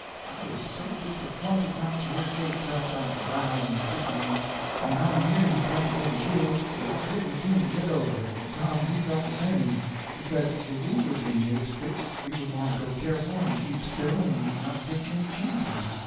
I was so disappointed not to hear Jake tell about the row in the sycamores, and how near he come to getting killed, that I couldn't seem to get over it, and Tom he felt the same, but said if we was in Jake's fix we would want to go careful and keep still and not take any chances.